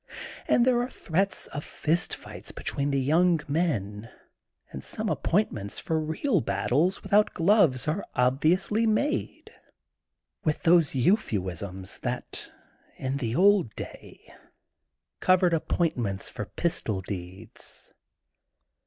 And there are threats of fist fights between the young men and some appoint ments for real battles without gloves are ob viously made, with those euphuisms that in the old day covered appointments for pistol deeds.